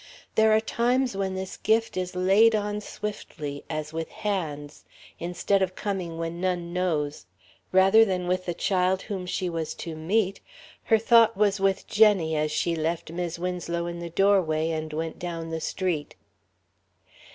There are times when this gift is laid on swiftly, as with hands, instead of coming when none knows. Rather than with the child whom she was to meet, her thought was with Jenny as she left Mis' Winslow in the doorway and went down the street.